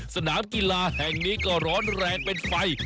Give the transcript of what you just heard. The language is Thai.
สนามกีฬาแห่งนี้ก็ร้อนแรงเป็นไฟ